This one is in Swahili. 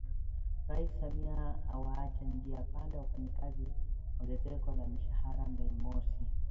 Rais Samia awaacha njia panda wafanyakazi Ongezeko la Mishahara Mei Mosi